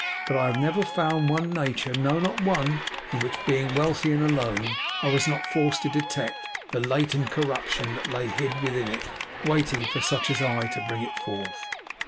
But I have never found one nature, no, not one, in which, being wealthy and alone, I was not forced to detect the latent corruption that lay hid within it waiting for such as I to bring it forth.